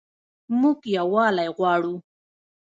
موږ یووالی غواړو